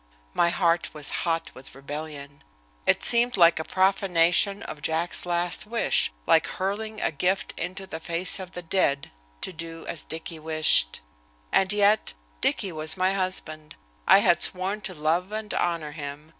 My heart was hot with rebellion. It seemed like a profanation of Jack's last wish, like hurling a gift into the face of the dead, to do as Dicky wished. And yet Dicky was my husband. I had sworn to love and honor him.